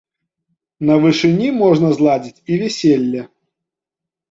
На вышыні можна зладзіць і вяселле.